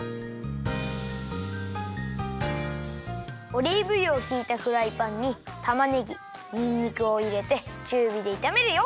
オリーブ油をひいたフライパンにたまねぎにんにくをいれてちゅうびでいためるよ。